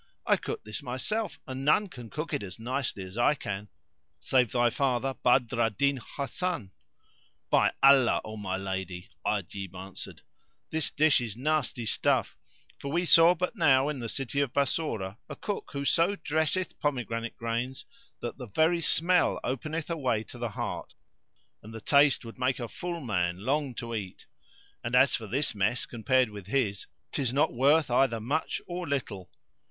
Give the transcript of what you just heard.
I cooked this myself and none can cook it as nicely as I can save thy father, Badr al Din Hasan." "By Allah, O my lady, Ajib answered, "this dish is nasty stuff; for we saw but now in the city of Bassorah a cook who so dresseth pomegranate grains that the very smell openeth a way to the heart and the taste would make a full man long to eat; and, as for this mess compared with his, 'tis not worth either much or little."